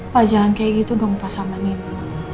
pak jangan kayak gitu dong sama nino